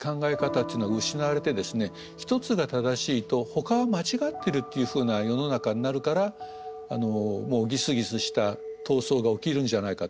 １つが正しいとほかは間違ってるっていうふうな世の中になるからギスギスした闘争が起きるんじゃないかっていうふうに私は思うんです。